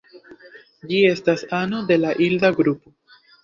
Ĝi estas ano de la Hilda grupo.